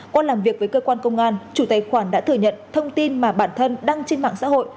qua làm việc với cơ quan công an chủ tài khoản đã thừa nhận thông tin mà bản thân đăng trên mạng xã hội